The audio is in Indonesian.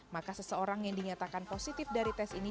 maka seseorang yang dinyatakan positif dari tes ini